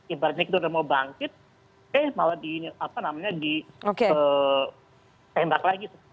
ibaratnya kita udah mau bangkit eh malah ditembak lagi